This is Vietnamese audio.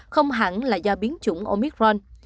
không hẳn là do biến chủng omicron